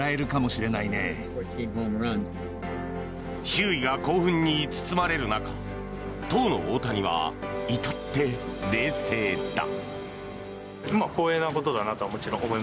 周囲が興奮に包まれる中当の大谷は至って冷静だ。